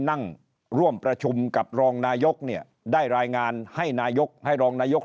นั่งร่วมประชุมกับรองนายกเนี่ยได้รายงานให้นายกให้รองนายก